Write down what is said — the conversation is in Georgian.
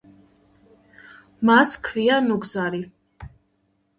მას ქვია ნუგზარი